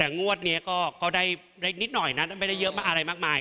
แต่งวดนี้ก็ได้นิดหน่อยนะไม่ได้เยอะมากอะไรมากมาย